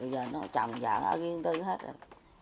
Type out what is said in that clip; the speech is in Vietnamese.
giờ nó trồng vợ nó kiếm tư hết rồi